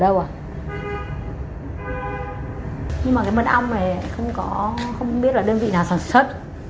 nhưng mà cái mật ong này không biết là đơn vị nào sản xuất